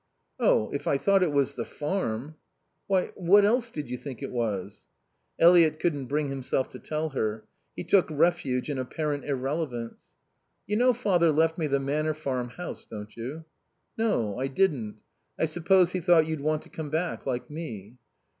"Oh, if I thought it was the farm " "Why, what else did you think it was?" Eliot couldn't bring himself to tell her. He took refuge in apparent irrelevance. "You know Father left me the Manor Farm house, don't you?" "No, I didn't. I suppose he thought you'd want to come back, like me."